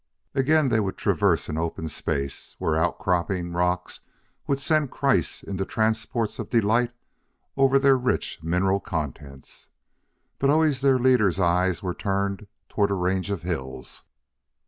Again they would traverse an open space, where outcropping rocks would send Kreiss into transports of delight over their rich mineral contents. But always their leader's eyes were turned toward a range of hills.